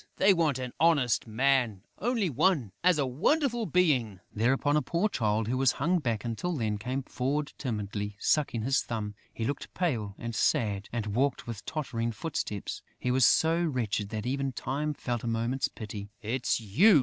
They want an honest man; only one, as a wonderful being." Thereupon, a poor Child, who had hung back, until then, came forward timidly, sucking his thumb. He looked pale and sad and walked with tottering footsteps; he was so wretched that even Time felt a moment's pity: "It's you!"